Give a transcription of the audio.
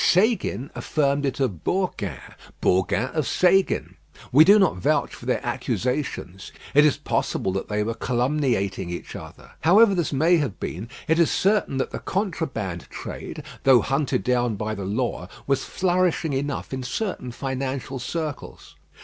Séguin affirmed it of Bourgain, Bourgain of Séguin. We do not vouch for their accusations; it is possible that they were calumniating each other. However this may have been, it is certain that the contraband trade, though hunted down by the law, was flourishing enough in certain financial circles.